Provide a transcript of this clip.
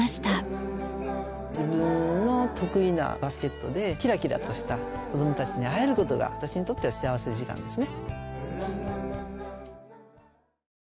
自分の得意なバスケットできらきらとした子供たちに会える事が私にとっては幸福時間ですね。